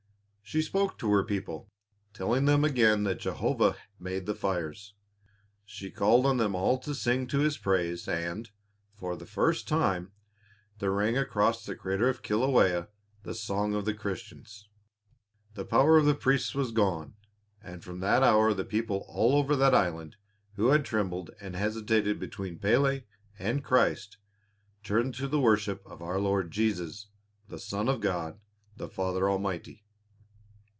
She spoke to her people, telling them again that Jehovah made the fires. She called on them all to sing to His praise and, for the first time, there rang across the crater of Kilawea the song of Christians. The power of the priests was gone, and from that hour the people all over that island who had trembled and hesitated between Pélé and Christ turned to the worship of our Lord Jesus, the Son of God the Father Almighty.